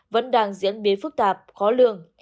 vẫn đang diễn biến phức tạp khó lương